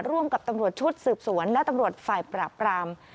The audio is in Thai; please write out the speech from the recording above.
ร่วมกับตำรวจชุดสืบสวนและตำรวจฝ่ายปราบราม